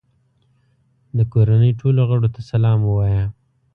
د کورنۍ ټولو غړو ته سلام ووایه.